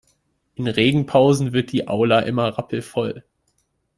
In Regenpausen wird die Aula immer rappelvoll.